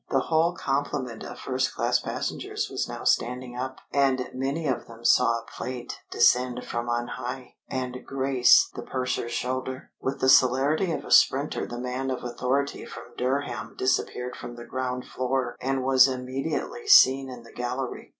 The whole complement of first class passengers was now standing up, and many of them saw a plate descend from on high, and grace the purser's shoulder. With the celerity of a sprinter the man of authority from Durham disappeared from the ground floor and was immediately seen in the gallery.